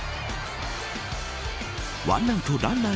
１アウトランナー